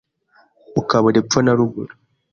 ukabura epfo na ruguru.